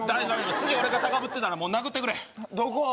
次俺が高ぶってたら殴ってくれどこを？